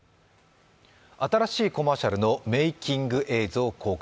新しいコマーシャルのメーキング映像を公開。